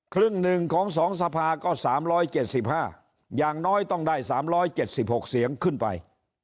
ครึ่งหนึ่งของ๒สภาก็๓๗๕อย่างน้อยต้องได้๓๗๖เสียงขึ้นไป